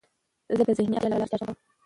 زه د ذهني ارامتیا لپاره لارې چارې لټوم.